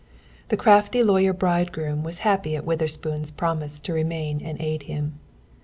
The crafty lawyer bridegroom was happy at Witherspoon's promise to remain and aid him.